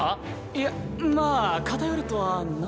いやまあ偏るとは何とも。